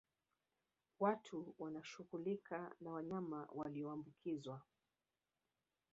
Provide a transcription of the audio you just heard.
Watu wanaoshughulika na wanyama walioambukizwa